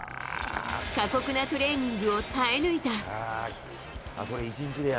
過酷なトレーニングを耐え抜いた。